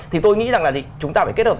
thì tôi nghĩ rằng là chúng ta phải kết hợp